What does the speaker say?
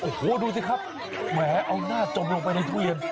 โอ้โหดูสิครับแหมเอาหน้าจมลงไปในทุเรียน